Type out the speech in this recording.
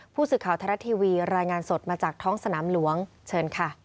ผู้สื่อข่าวไทยรัฐทีวีรายงานสดมาจากท้องสนามหลวงเชิญค่ะ